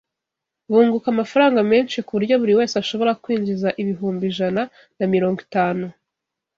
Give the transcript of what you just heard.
bunguka amafaranga menshi ku buryo buri wese ashobora kwinjiza ibihumbi ijana na mirongo itanu